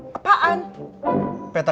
kakak lupa apa